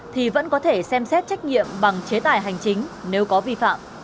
thì vẫn có thể xem xét trách nhiệm bằng chế tài hành chính nếu có vi phạm